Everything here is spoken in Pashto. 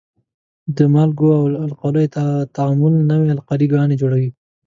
د مالګو او القلیو تعامل نوې القلي ګانې جوړوي.